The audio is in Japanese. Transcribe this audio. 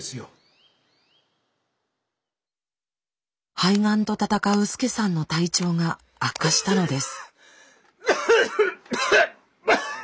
肺がんと闘うスケサンの体調が悪化したのです。